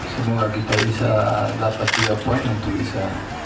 semoga kita bisa dapat tiga poin untuk bisa